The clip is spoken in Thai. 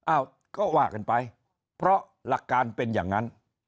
อ้าวก็ว่ากันไปเพราะหลักการเป็นอย่างนั้น